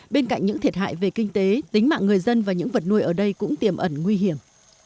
bên cạnh những thiệt hại về kinh tế tính mạng người dân và những vật nuôi ở đây cũng tiềm ẩn nguy hiểm